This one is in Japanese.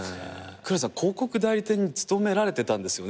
蔵さん広告代理店に勤められてたんですよね？